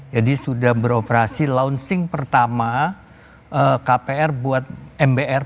jadi sudah beroperasi launching pertama kpr buat mbr